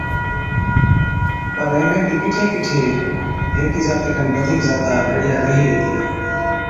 پر اِمھين بِي ڪِٺي ڪِٺي ھيڪي ذاتي کن بڌِيڪ ذاتا ڀيڙِيا ريھي ھِتيا